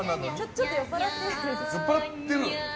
ちょっと酔っぱらって。